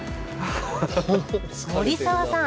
森澤さん